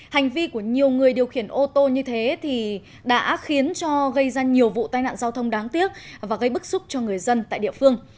hành vi của nhiều người điều khiển ô tô như thế thì đã khiến cho gây ra nhiều vụ tai nạn giao thông đáng tiếc và gây bức xúc cho người dân tại địa phương